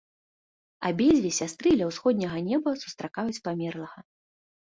Абедзве сястры ля ўсходняга неба сустракаюць памерлага.